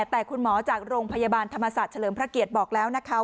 แต่คุณหมอจากโรงพยาบาลธรรมศาสตร์เฉลิมพระเกียรติบอกแล้วนะคะ